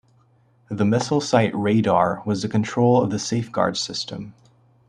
The Missile Site Radar was the control of the Safeguard system.